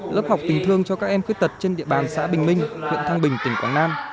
lớp học tình thương cho các em khuyết tật trên địa bàn xã bình minh huyện thăng bình tỉnh quảng nam